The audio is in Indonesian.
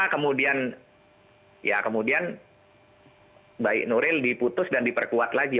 kemudian baik nuril diputus dan diperkuat lagi